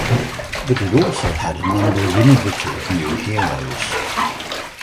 But it also had a number of innovative new heroes.